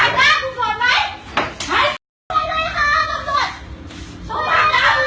ช่วยด้วยค่ะส่วนสุด